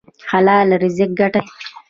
حلال رزق ګټئ